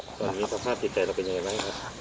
ตอนนี้สภาพใจเก็บเราเป็นยังไงค่ะ